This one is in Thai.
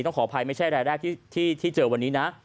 ขออภัยไม่ใช่รายแรกที่เจอวันนี้นะ